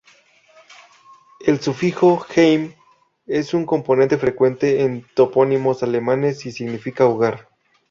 El sufijo -"heim" es un componente frecuente en topónimos alemanes y significa "hogar".